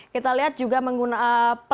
kita lihat juga menggunakan